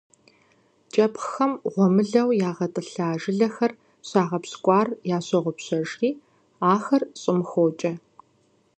КIэпхъхэм гъуэмылэу ягъэтIылъа жылэхэр щагъэпщкIуар ящогъупщэжри, ахэр щIым хокIэ.